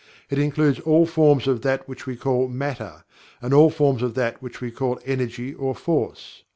It includes all forms of that which we call Matter, and all forms of that which we call Energy or Force.